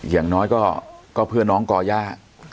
อย่างน้อยก็เพื่อน้องก่อย่า